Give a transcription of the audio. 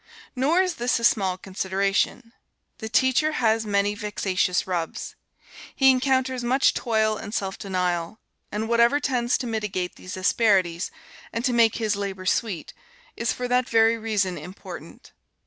Nor is this a small consideration. The teacher has many vexatious rubs. He encounters much toil and self denial; and whatever tends to mitigate these asperities, and to make his labor sweet, is for that very reason important.